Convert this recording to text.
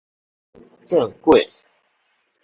數佛做粿